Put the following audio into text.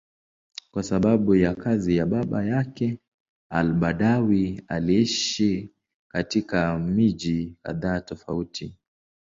Kwa sababu ya kazi ya baba yake, al-Badawi aliishi katika miji kadhaa tofauti.